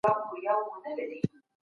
که پلان وي ستونزه کمه وي.